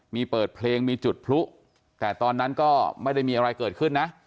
มีเปิดเพลงมีจุดพลุแต่ตอนนั้นก็ไม่ได้มีอะไรเกิดขึ้นนะ